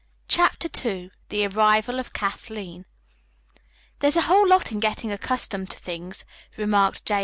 CHAPTER II THE ARRIVAL OF KATHLEEN "There is a whole lot in getting accustomed to things," remarked J.